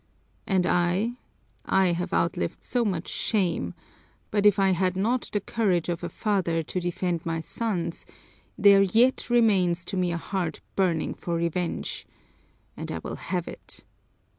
And I, I have outlived so much shame; but if I had not the courage of a father to defend my sons, there yet remains to me a heart burning for revenge, and I will have it!